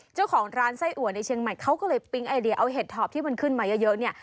เจ้าของร้านไส้อัวในเชียงใหม่เขาก็เลยปิ๊งไอเดียเอาเห็ดถอบที่มันขึ้นมาเยอะเนี่ย